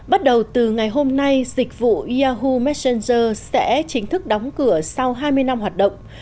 bắt đầu từ ngày hôm nay dịch vụ yahoo messenger sẽ chính thức đóng cửa sau hai mươi năm hoạt động